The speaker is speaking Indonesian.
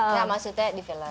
nah maksudnya di film